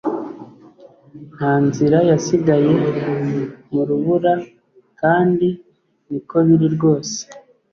Nta nzira yasigaye mu rubura kandi niko biri rwose